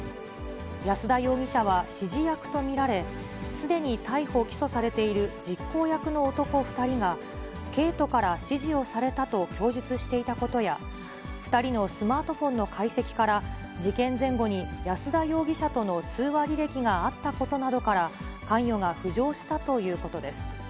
安田容疑者は指示役と見られ、すでに逮捕・起訴されている実行役の男２人が、恵斗から指示をされたと供述していたことや、２人のスマートフォンの解析から、事件前後に安田容疑者との通話履歴があったことなどから、関与が浮上したということです。